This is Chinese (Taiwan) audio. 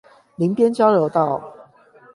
林邊交流道